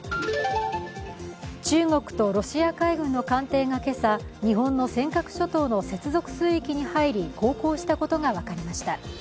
中国とロシア海軍の艦艇が今朝日本の尖閣諸島の接続水域に入り航行したことが分かりました。